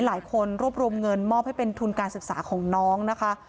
หลายคนรวบรวมเงินมอบให้เป็นทุนการศึกษาของน้องนะคะ